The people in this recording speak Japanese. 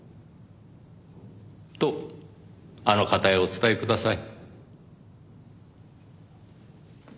とあの方へお伝えください。